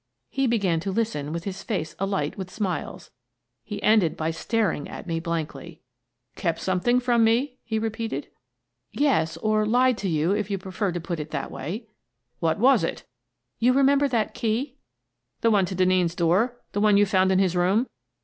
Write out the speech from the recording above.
He began to listen with his face alight with smiles ; he ended by staring at me blankly. "Kept something from me?" he repeated. Kemp Learns the Truth 109 " Yes — or lied to you, if you prefer to put it that way." "What was it?" " You remember that key ?" "The one to Denneen's door? The one you found in his room